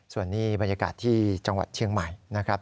ส่วนนี้บรรยากาศที่จังหวัดเชียงใหม่นะครับ